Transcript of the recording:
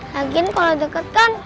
lagian kalo deket kan